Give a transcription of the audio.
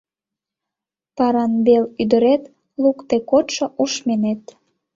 Паранбел ӱдырет — лукде кодшо ушменет...